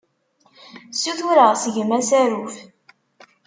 Ssutureɣ seg-m asaruf.